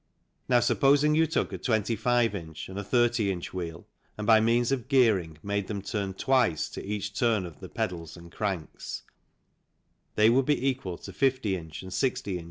Now supposing you took a 25 in. and a 30 in. wheel and by means of gearing made them turn twice to each turn of the pedals and cranks, they would be equal to 50 in. and 60 in.